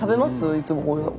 いつもこういうの。